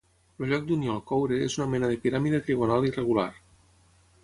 El lloc d'unió al coure és una mena de piràmide trigonal irregular.